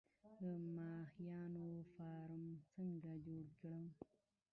د ماهیانو فارم څنګه جوړ کړم؟